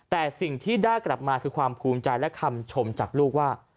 แต่สิ่งที่ได้กลับมาคือความภูมิใจและคำชมจากลูกว่า